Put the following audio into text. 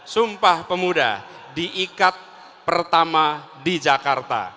sumpah pemuda diikat pertama di jakarta